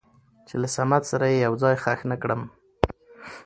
چې له صمد سره يې يو ځاى خښ نه کړم.